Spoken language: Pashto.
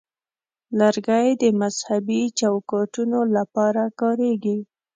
لرګی د مذهبي چوکاټونو لپاره کارېږي.